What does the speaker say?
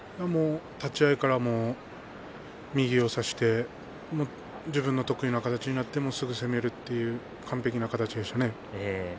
立ち合いから右を差して自分の得意な形になってすぐ攻めるという完璧な形です。